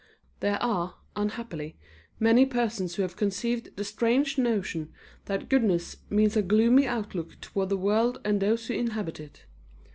There are, unhappily, many persons who have conceived the strange notion that goodness means a gloomy outlook toward the world and those who inhabit it.